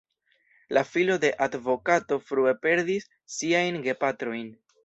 La filo de advokato frue perdis siajn gepatrojn.